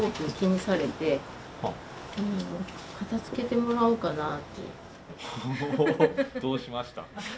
ほおどうしました？